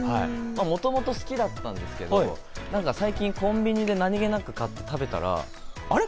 もともと大好きだったんですけど、最近、コンビニで何気なく買って食べたら、あれ？